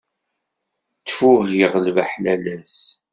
Ttfuh iɣleb aḥlalas.